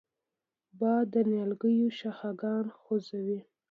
باد د نیالګیو شاخهګان خوځوي